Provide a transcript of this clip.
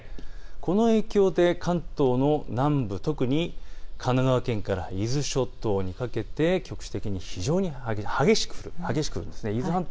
この影響で関東の南部特に神奈川県から伊豆諸島にかけて局地的に非常に激しく降る。